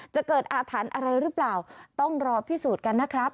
จะเกิดอาถรรพ์อะไรหรือเปล่าต้องรอพิสูจน์กันนะครับ